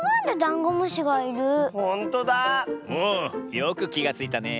よくきがついたねえ。